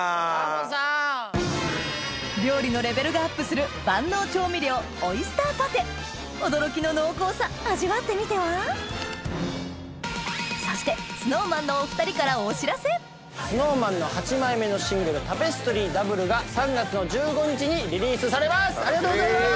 料理のレベルがアップする驚きの濃厚さ味わってみてはそしてＳｎｏｗＭａｎの８枚目のシングル『タペストリー／Ｗ』が３月１５日にリリースされますありがとうございます！